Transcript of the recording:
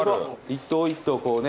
一頭一頭こうね。